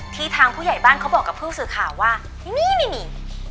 ทางผู้ใหญ่บ้านเขาบอกกับผู้สื่อข่าวว่านี่นี่